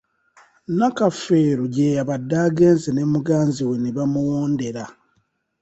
Nakafeero gye yabadde agenze ne muganzi we ne bamuwondera.